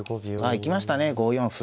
あ行きましたね５四歩。